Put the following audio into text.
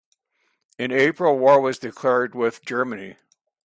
In April war was declared with Germany.